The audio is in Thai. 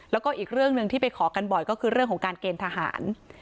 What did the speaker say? แล้วก็อีกเรื่องหนึ่งที่ไปขอกันบ่อยก็คือเรื่องของการเกณฑ์ทหาร